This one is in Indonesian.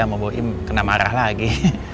sama bu im kena marah lagi